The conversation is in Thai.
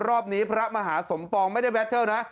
รอบนี้พระมหาสมปองไม่ได้แบตเทิลนะ